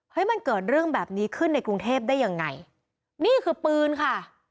มันเกิดเรื่องแบบนี้ขึ้นในกรุงเทพได้ยังไงนี่คือปืนค่ะ